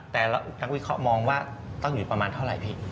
แต่นักวิเคราะห์มองว่าต้องอยู่ประมาณเท่าไหร่พี่